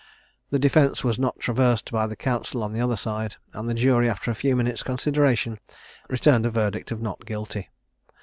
This defence was not traversed by the counsel on the other side, and the Jury, after a few minutes' consideration, returned a verdict of not guilty.